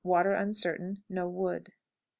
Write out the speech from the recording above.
Water uncertain; no wood. 16.